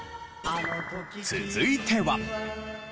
続いては。